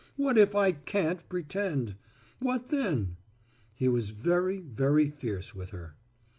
What if I can't pretend? What then?" He was very, very fierce with her.